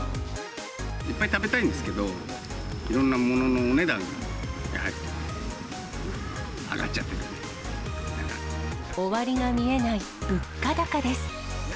いっぱい食べたいんですけど、いろんなもののお値段が、終わりが見えない物価高です。